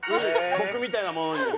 僕みたいな者に。